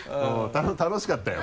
楽しかったよ